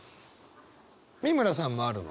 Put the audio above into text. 美村さんもあるの？